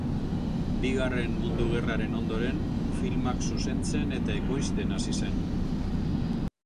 Bigarren Mundu Gerraren ondoren filmak zuzentzen eta ekoizten hasi zen.